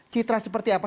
citra seperti apa